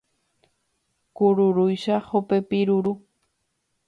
Kururúicha hopepi ruru